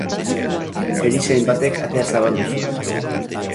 Erizain batek atea zabaldu zuen.